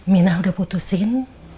minah udah putusin